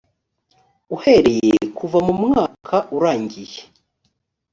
uhereye kuva umwaka urangiye